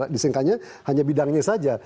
disingkanya hanya bidangnya saja